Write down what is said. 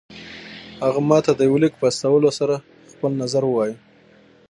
هغه ماته د يوه ليک په استولو سره خپل نظر ووايه.